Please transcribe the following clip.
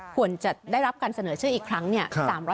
ควรจะได้รับการเสนอชื่ออีกครั้งเนี่ย